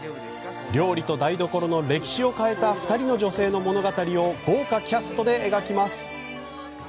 料理と台所の歴史を変えた２人の女性の物語を豪華キャストで描きます！